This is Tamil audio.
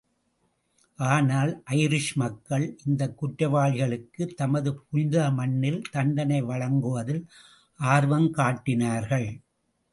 ஆனால், ஐரிஷ் மக்கள் இந்த குற்றவாளிகளுக்கு தமது புனிதமண்ணில் தண்டனை வழங்குவதில் ஆர்வம் காட்டினார்கள்.